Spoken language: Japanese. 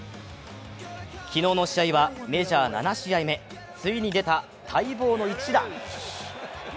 昨日の試合はメジャー７試合目、ついに出た待望の一打。